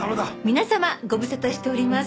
皆様ご無沙汰しております。